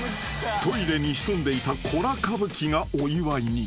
トイレに潜んでいたコラ歌舞伎がお祝いに］